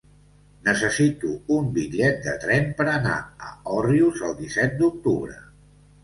Necessito un bitllet de tren per anar a Òrrius el disset d'octubre.